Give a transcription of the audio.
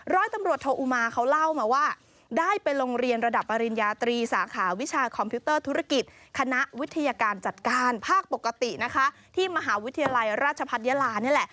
ร้อยตำรวจโทอุมาเขาเล่ามาว่า